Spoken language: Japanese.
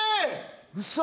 ウソ！？